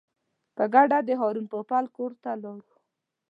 په ګډه د هارون پوپل کور ته ولاړو.